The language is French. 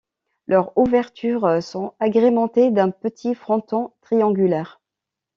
Leurs ouvertures sont agrémentées d'un petit fronton triangulaire.